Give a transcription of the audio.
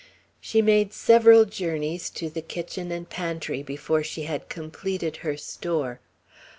She made several journeys to the kitchen and pantry before she had completed her store.